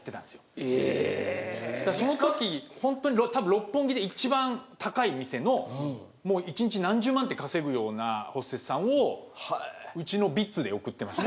その時ほんとに多分六本木で一番高い店のもう１日何十万って稼ぐようなホステスさんをうちのＶｉｔｚで送ってました。